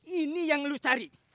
ini yang lo cari